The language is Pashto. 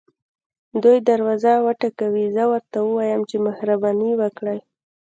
دی دروازه وټکوي زه ورته ووایم چې مهرباني وکړئ.